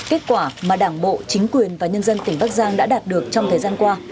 kết quả mà đảng bộ chính quyền và nhân dân tỉnh bắc giang đã đạt được trong thời gian qua